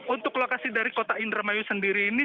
untuk lokasi dari kota indramayu sendiri ini